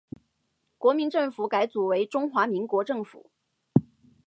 国民政府改组为中华民国政府。